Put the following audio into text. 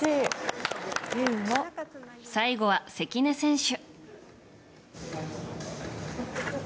最後は関根選手。